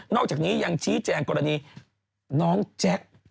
อกจากนี้ยังชี้แจงกรณีน้องแจ็ค